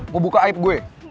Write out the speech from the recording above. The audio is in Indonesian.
mau buka aib gue